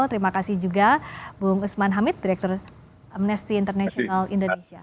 terima kasih juga bung usman hamid direktur amnesty international indonesia